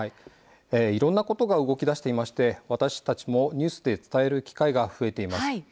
いろんなことが動きだしまして私たちもニュースで伝える機会が増えています。